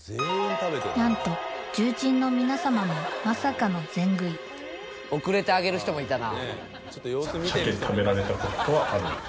なんと重鎮の皆様もまさかの全食い遅れて挙げる人もいたな。